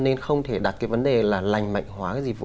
nên không thể đặt cái vấn đề là lành mạnh hóa cái dịch vụ